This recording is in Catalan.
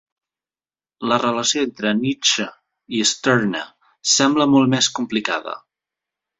La relació entre Nietzche i Stirner sembla molt més complicada.